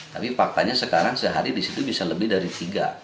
tapi faktanya sekarang sehari disitu bisa lebih dari tiga